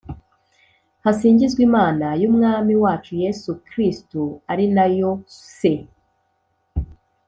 Hasingizwe Imana y’Umwami wacu Yesu Kristo, ari na yo Se